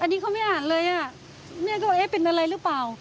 อันนี้เขาไม่อ่านเลยอ่ะแม่ก็ว่าเอ๊ะเป็นอะไรหรือเปล่า